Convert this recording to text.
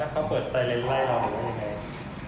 แล้วเขาเปิดไซเรนด์ให้เราได้ไง